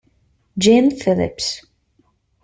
Gene Phillips